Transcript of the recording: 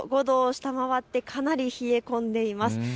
５度を下回ってかなり冷え込んでいます。